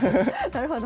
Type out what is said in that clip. なるほど。